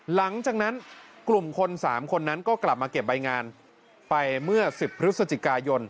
หลังจากนั้นกลุ่มคน๓คนนั้นก็กลับมาเก็บใบงานไปเมื่อ๑๐พฤศจิกายน